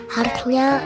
heartnya aku senang